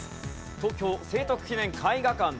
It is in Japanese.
東京聖徳記念絵画館です。